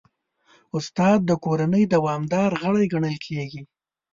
استاد د کورنۍ دوامدار غړی ګڼل کېږي.